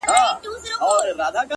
تا ولې دا د دې دنيا جنت خاورې ايرې کړ!